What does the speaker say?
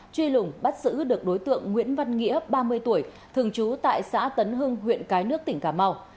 truy lùng bắt giữ được đối tượng nguyễn văn nghĩa ba mươi tuổi thường trú tại xã tấn hưng huyện cái nước tỉnh cà mau